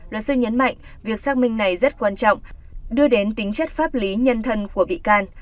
luật sư nhấn mạnh việc xác minh này rất quan trọng đưa đến tính chất pháp lý nhân thân của bị can